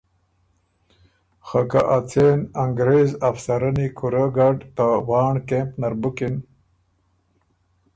خه که ا څېن انګرېز افسرنی کُورۀ ګډ ته وانړ کېمپ نر بُکِن